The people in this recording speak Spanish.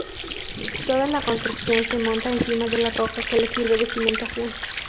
Toda la construcción se monta encima de la roca que le sirve de cimentación.